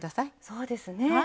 そうですね。